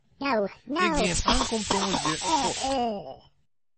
Ik gean ankom tongersdei fuort.